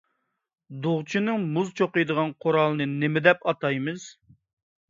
دوغچىنىڭ مۇز چوقۇيدىغان قورالىنى نېمە دەپ ئاتايمىز؟